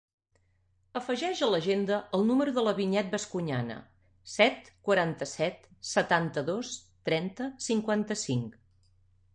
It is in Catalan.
Afegeix a l'agenda el número de la Vinyet Bascuñana: set, quaranta-set, setanta-dos, trenta, cinquanta-cinc.